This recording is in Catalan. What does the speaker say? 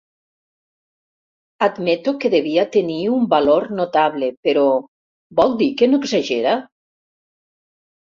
Admeto que devia tenir un valor notable, però vol dir que no exagera?